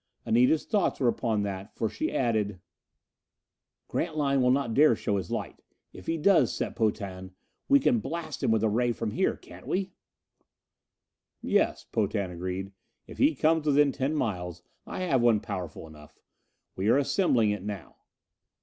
Anita's thoughts were upon that, for she added: "Grantline will not dare show his light! If he does, Set Potan, we can blast him with a ray from here! Can't we?" "Yes," Potan agreed. "If he comes within ten miles, I have one powerful enough. We are assembling it now."